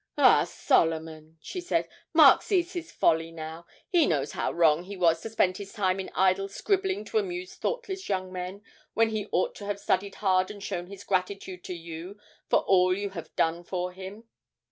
'Ah, Solomon,' she said, 'Mark sees his folly now; he knows how wrong he was to spend his time in idle scribbling to amuse thoughtless young men, when he ought to have studied hard and shown his gratitude to you for all you have done for him.'